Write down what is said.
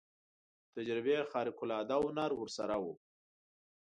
د تجربې خارق العاده هنر ورسره و.